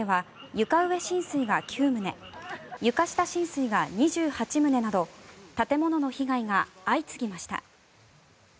床下浸水が２８棟など建物の被害が相次ぎました。